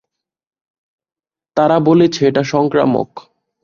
তারা বলেছে এটা সংক্রামক।